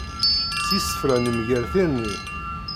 S yisefra nemger tirni.